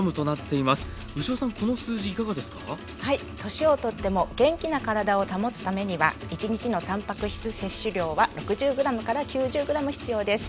年を取っても元気な体を保つためには一日のたんぱく質摂取量は６０ｇ９０ｇ必要です。